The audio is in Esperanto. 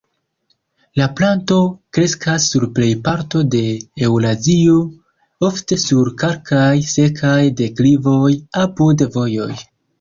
La planto kreskas sur plejparto de Eŭrazio, ofte sur kalkaj, sekaj deklivoj, apud vojoj.